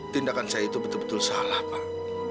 tindakan saya itu betul betul salah pak